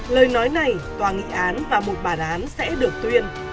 lời nói này tòa nghị án và một bản án sẽ được tuyên